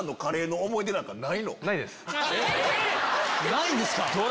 ないんですか